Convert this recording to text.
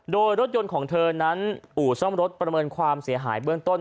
โดยรถยนต์ของเธอนั้นอู่ซ่อมรถประเมินความเสียหายเบื้องต้น